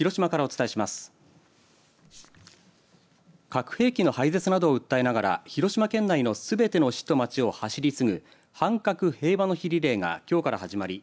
核兵器の廃絶などを訴えながら広島県内のすべての市と町を走り継ぐ反核平和の火リレーがきょうから始まり